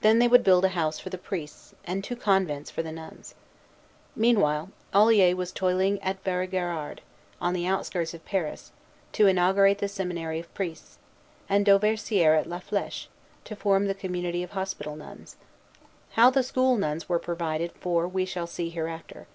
Then they would build a house for the priests, and two convents for the nuns. Meanwhile, Olier was toiling at Vaugirard, on the outskirts of Paris, to inaugurate the seminary of priests, and Dauversière at La Flèche, to form the community of hospital nuns. How the school nuns were provided for we shall see hereafter.